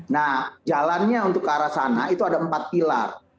nah jalannya untuk ke arah sana itu ada empat pilar